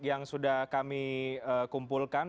yang sudah kami kumpulkan